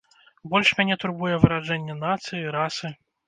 Больш мяне турбуе выраджэнне нацыі, расы.